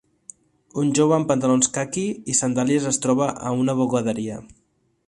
Un jove amb pantalons caqui i sandàlies es troba a una bugaderia.